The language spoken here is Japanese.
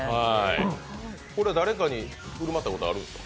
これは誰かに振る舞ったことあるんですか？